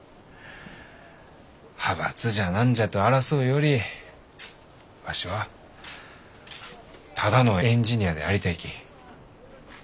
派閥じゃ何じゃと争うよりわしはただのエンジニアでありたいき。